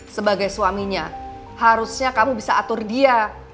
sebagai suaminya harusnya kamu bisa atur dia